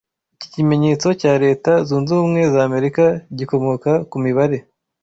Iki kimenyetso cya Reta zunzubumwe zamerika gikomoka ku mibare